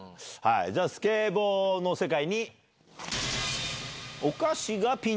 じゃあ「スケボーの世界」。